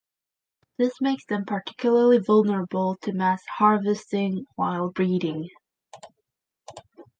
This makes them particularly vulnerable to mass harvesting while breeding.